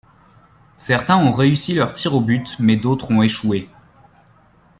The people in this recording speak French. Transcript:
Certains ont réussi leur tir au but mais d'autres ont échoué.